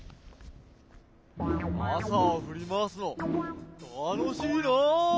かさをふりまわすのたのしいな。